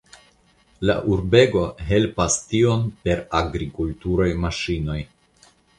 La urbego helpas tion per agrikulturaj maŝinoj.